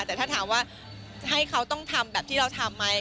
แต่ถ้าถามว่าให้เขาต้องทำแบบที่เราทำไหม